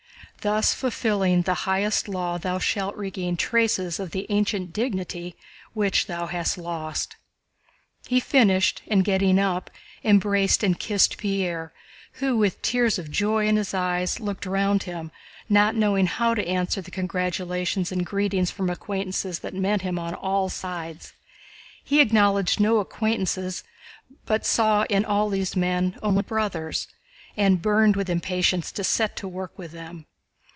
Thus fulfilling the highest law thou shalt regain traces of the ancient dignity which thou hast lost." He finished and, getting up, embraced and kissed Pierre, who, with tears of joy in his eyes, looked round him, not knowing how to answer the congratulations and greetings from acquaintances that met him on all sides. He acknowledged no acquaintances but saw in all these men only brothers, and burned with impatience to set to work with them.